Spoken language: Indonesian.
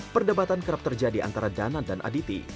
perdebatan kerap terjadi antara dana dan aditi